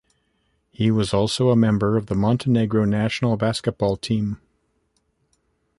He was also member of the Montenegro national basketball team.